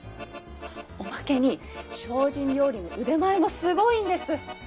おまけに精進料理の腕前もすごいんです！